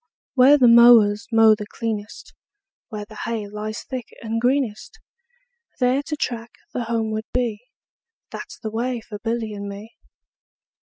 Where the mowers mow the cleanest, Where the hay lies thick and greenest, 10 There to track the homeward bee, That 's the way for Billy and me.